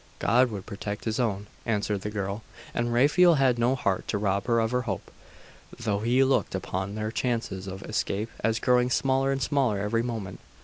'God would protect His own,' answered the girl; and Raphael had no heart to rob her of her hope, though he looked upon their chances of escape as growing smaller and smaller every moment.